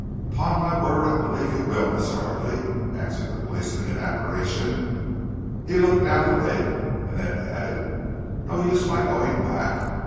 "'Pon my word, I believe you will, Miss Yardely," answered the policeman in admiration. He looked down the lake, and then added: "No use my going back.